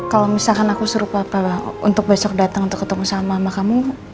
kalau misalkan aku suruh papa untuk besok datang untuk ketemu sama mama kamu